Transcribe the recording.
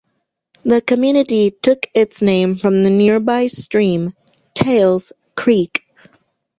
The community took its name from the nearby stream Tails Creek.